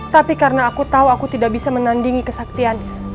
tapi karena aku tahu aku tidak bisa menandingi kesaktiannya